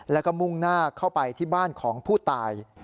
แล้วก็มุ่งหน้าเข้าไปที่บ้านของผู้ตาย